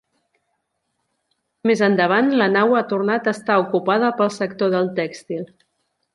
Més endavant, la nau ha tornat a estar ocupada pel sector del tèxtil.